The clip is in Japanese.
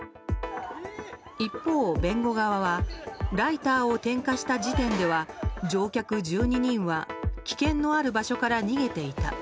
一方、弁護側はライターを点火した時点では乗客１２人は危険のある場所から逃げていた。